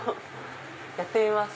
やってみます。